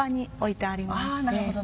あなるほど。